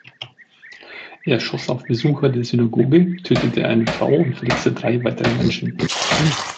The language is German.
Er schoss auf Besucher der Synagoge, tötete eine Frau und verletzte drei weitere Menschen.